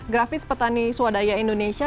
grafis petani swadaya indonesia